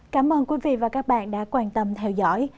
cảm ơn quý vị và các bạn đã quan tâm theo dõi